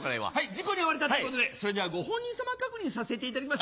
事故に遭われたということでそれではご本人さま確認させていただきます。